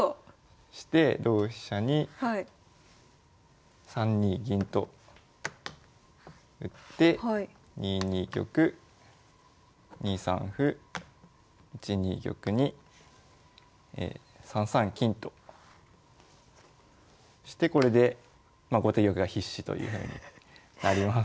そして同飛車に３二銀と打って２二玉２三歩１二玉に３三金としてこれで後手玉が必至というふうになります。